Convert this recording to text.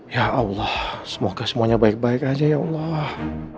ya allah semoga semuanya baik baik aja ya allah